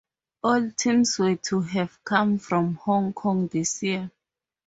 All teams were to have come from Hong Kong this year.